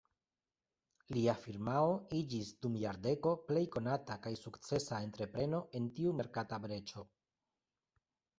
Lia firmao iĝis dum jardeko plej konata kaj sukcesa entrepreno en tiu merkata breĉo.